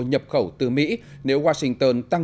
nhập khẩu từ mỹ nếu washington tăng